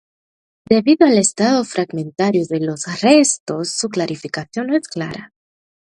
Debido al estado fragmentario de los restos su clasificación no es clara.